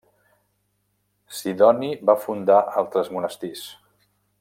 Sidoni va fundar altres monestirs.